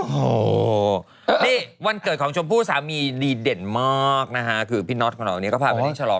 โอโหนี่วันเกิดของชมพู่สามีดีเด่นมื๊อยมากอะคือพี่น้อตของเรานี่ก็พามานี่ชรอง